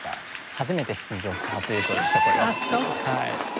初めて出場して初優勝でしたこれは。